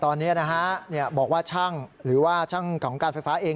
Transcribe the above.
ตอนนี้นะฮะบอกว่าช่างหรือว่าช่างของการไฟฟ้าเอง